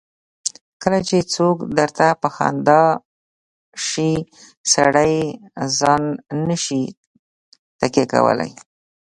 کله چې څوک درته په خندا شي سړی ځان نه شي تکیه کولای.